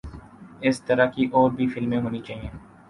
اس طرح کی اور بھی فلمیں ہونی چاہئے